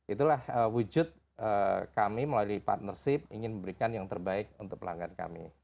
itulah wujud kami melalui partnership ingin memberikan yang terbaik untuk pelanggan kami